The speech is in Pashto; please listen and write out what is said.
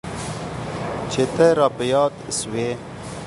چي ته را په ياد سوې.